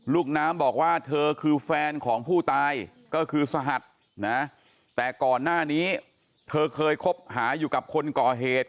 ลูกน้ำบอกว่าเธอคือแฟนของผู้ตายก็คือสหัสนะแต่ก่อนหน้านี้เธอเคยคบหาอยู่กับคนก่อเหตุ